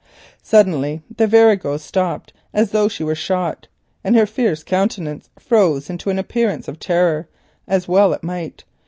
Suddenly the virago stopped as though she were shot, and her fierce countenance froze into an appearance of terror, as well it might.